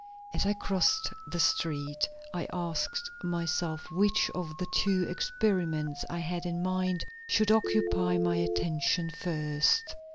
As I crossed the street, I asked myself which of the two experiments I had in mind should occupy my attention first.